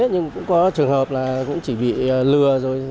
nhưng cũng có trường hợp là cũng chỉ bị lừa rồi